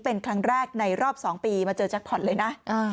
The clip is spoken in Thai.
เป็นครั้งแรกในรอบ๒ปีมาเจอแจ็คพอร์ตเลยนะ